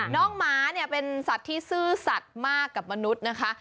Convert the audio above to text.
น้องหมาเนี่ยเป็นสัตว์ที่ซื่อสัตว์มากกับมนุษย์นะคะ